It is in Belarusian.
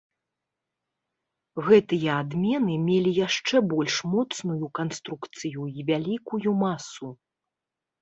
Гэтыя адмены мелі яшчэ больш моцную канструкцыю і вялікую масу.